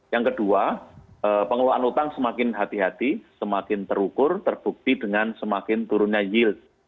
yang kedua pengelolaan utang semakin hati hati semakin terukur terbukti dengan semakin turunnya yield